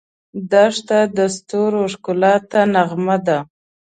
دښته د ستورو ښکلا ته نغمه ده.